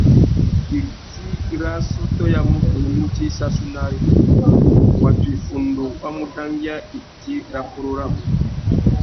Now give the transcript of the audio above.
Itsi râ assôtô ya mutu i mú djï sassunari, watu iffundu wa mu dangüia itsi râ purú rabú.